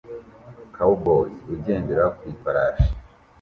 Cowboy ugendera ku ifarashi